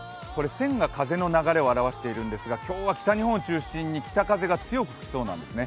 線が風の流れを表しているんですが今日は北日本を中心に北風が強く吹きそうなんですね。